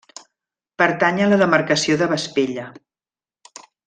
Pertany a la demarcació de Vespella.